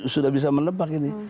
sudah bisa menebak ini